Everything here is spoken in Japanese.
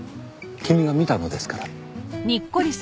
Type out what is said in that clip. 君が見たのですから。